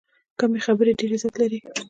کمې خبرې، ډېر عزت لري.